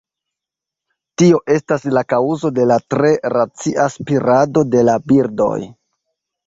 Tio estas la kaŭzo de la tre racia spirado de la birdoj.